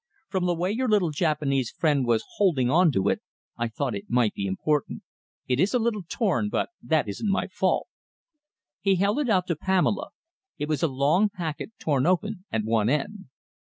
From the way your little Japanese friend was holding on to it, I thought it might be important. It is a little torn, but that isn't my fault." He held it out to Pamela. It was a long packet torn open at one end.